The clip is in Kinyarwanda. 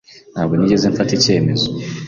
Ntabwo nigeze mfata icyemezo.